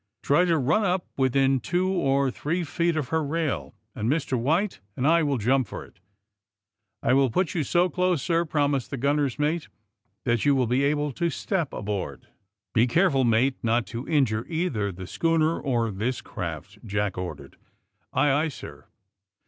Try to run up within two or three feet of her rail, and Mr. White and I will jump for it. ''^' I '11 put you so close, sir, '' promised the gun ner 's mate, ^*that you will be able to step aboard." 228 THE SUBMAEINE BOYS Be careful^ mate, not to injure either the schooner or this craft," Jack ordered. Aye, aye, sir."